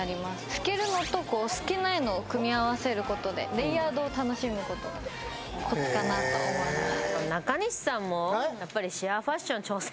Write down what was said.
透けるのと透けないのを組み合わせることでレイヤードを楽しむことが、コツかなと思います。